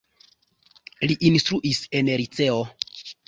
Li instruis en liceo.